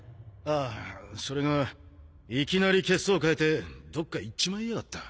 ああそれがいきなり血相変えてどっか行っちまいやがった。